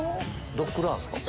ドッグランですか？